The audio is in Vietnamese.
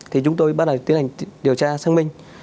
thì chúng tôi bắt đầu tiến hành điều tra xác minh